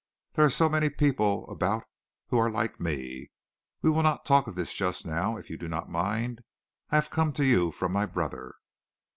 "There are so many people about who are like me. We will not talk of this just now, if you do not mind. I have come to you from my brother."